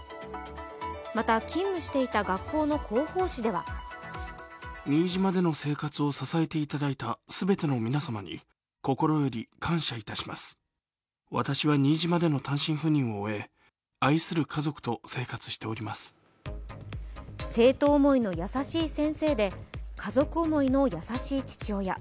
また勤務していた学校の広報誌では生徒思いの優しい先生で、家族思いの優しい父親。